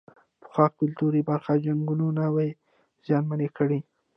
پخوا کلتوري برخې جنګونو نه وې زیانمنې کړې.